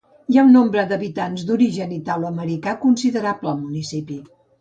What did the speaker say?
Hi ha un nombre d'habitants d'origen italoamericà considerable al municipi.